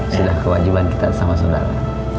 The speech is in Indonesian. sudah kewajiban kita sama saudara